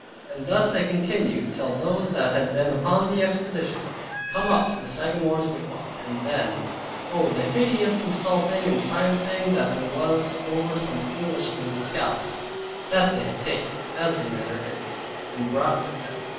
And thus they continued till those that had been upon the expedition were come up to the Sagamore's wigwam; and then, Oh, the hideous insulting and triumphing that there was over some Englishmen's scalps that they had taken (as their manner is) and brought with them.